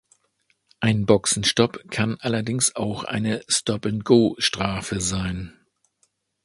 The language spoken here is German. Ein Boxenstopp kann allerdings auch eine Stop-and-Go-Strafe sein.